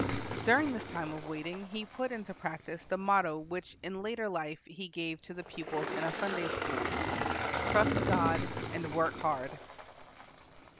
During this time of waiting he put into practise the motto which in later life he gave to the pupils in a Sunday school, "Trust God and work hard."